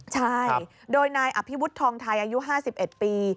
ใช่โดยนายอภิวุฒิทองไทยอายุ๕๑ปี